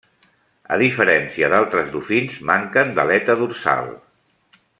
A diferència d'altres dofins, manquen d'aleta dorsal.